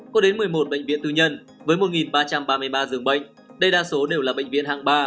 có đến một mươi một bệnh viện tư nhân với một ba trăm ba mươi ba dường bệnh đây đa số đều là bệnh viện hạng ba